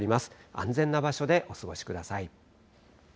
安全な場所でお過ごしください。